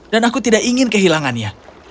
dan aku tidak ingin kehilangannya